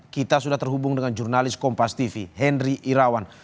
kita sudah terhubung dengan jurnalis kompas tv henry irawan